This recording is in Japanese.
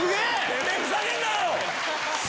てめぇふざけんなよ！